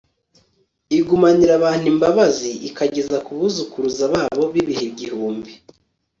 igumanirabantimbabazi ikageza ku buzukuruza baboo bibih igihumbi